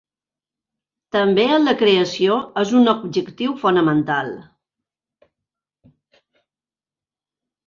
També en la creació és un objectiu fonamental.